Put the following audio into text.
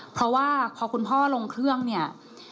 เพราะว่าพอคุณพ่อลงเครื่องเนี่ย